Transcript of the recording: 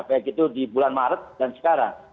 baik itu di bulan maret dan sekarang